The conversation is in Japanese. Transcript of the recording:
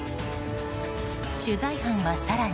取材班は更に